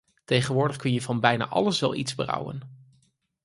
Tegenwoordig kun je van bijna alles wel iets brouwen.